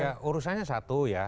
ya urusannya satu ya